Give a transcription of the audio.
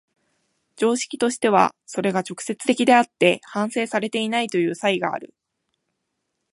常識としてはそれが直接的であって反省されていないという差異がある。